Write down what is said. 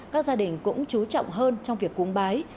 các gia đình cũng chú trọng hơn trong việc cúng bái